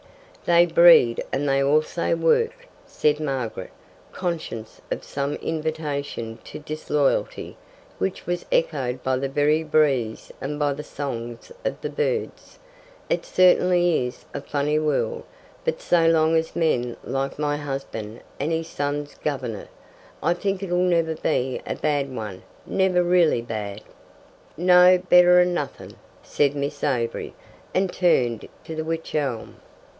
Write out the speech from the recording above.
"They breed and they also work," said Margaret, conscious of some invitation to disloyalty, which was echoed by the very breeze and by the songs of the birds. "It certainly is a funny world, but so long as men like my husband and his sons govern it, I think it'll never be a bad one never really bad." "No, better'n nothing," said Miss Avery, and turned to the wych elm.